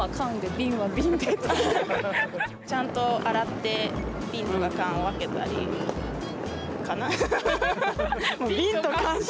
ちゃんと洗ってビンとかカンを分けたりかな。